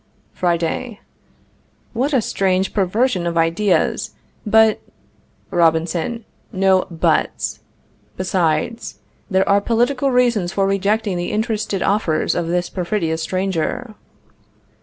Friday. What a strange perversion of ideas. But Robinson. No buts. Besides, there are political reasons for rejecting the interested offers of this perfidious stranger.